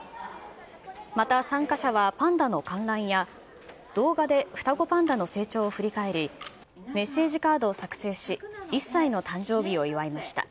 また参加者は、パンダの観覧や、動画で双子パンダの成長を振り返り、メッセージカードを作成し、１歳の誕生日を祝いました。